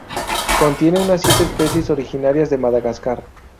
Contiene unas siete especies originarias de Madagascar.